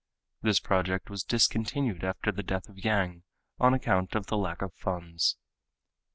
This project was discontinued after the death of Yang on account of the lack of funds.